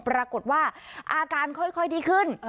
ปรากฏว่าอาการค่อยดีขึ้น